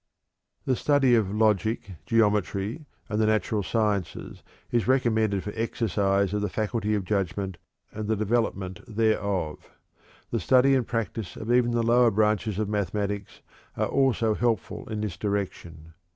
The study of logic, geometry, and the natural sciences is recommended for exercise of the faculty of judgment and the development thereof. The study and practice of even the lower branches of mathematics are also helpful in this direction.